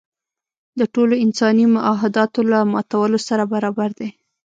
د ټولو انساني معاهداتو له ماتولو سره برابر دی.